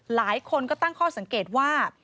หลายคนก็ตั้งข้อสังเกตว่า